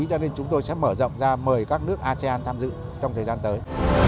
cho nên chúng tôi sẽ mở rộng ra mời các nước asean tham dự trong thời gian tới